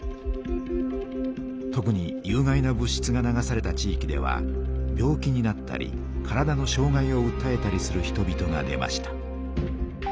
特に有害な物しつが流された地いきでは病気になったり体のしょう害をうったえたりする人々が出ました。